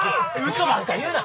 嘘ばっか言うな。